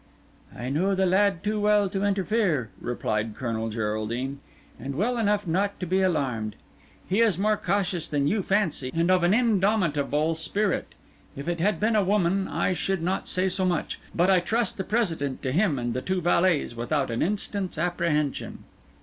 "I know the lad too well to interfere," replied Colonel Geraldine, "and well enough not to be alarmed. He is more cautious than you fancy, and of an indomitable spirit. If it had been a woman I should not say so much, but I trust the President to him and the two valets without an instant's apprehension."